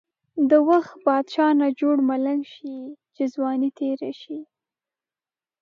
د وخت بادشاه نه جوړ ملنګ شی، چی ځوانی تیره شی.